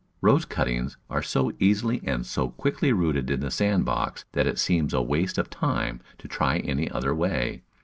Rose cuttings are so easily and so quickly rooted in the sand box that it seems a waste of time to try any other way.